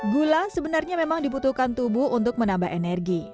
gula sebenarnya memang dibutuhkan tubuh untuk menambah energi